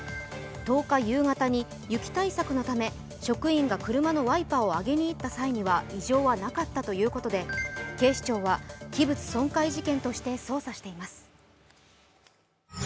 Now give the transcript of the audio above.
１０日夕方に雪対策のため職員が車のワイパーを上げにいった際には異常はなかったということで、警視庁は器物損壊事件として捜査しています。